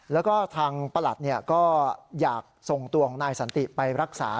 แล้วก็ทางประหลัดก็อยากส่งตัวของนายสันติไปรักษา